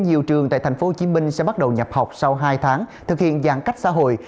nhiều trường tại tp hcm sẽ bắt đầu nhập học sau hai tháng thực hiện giãn cách xã hội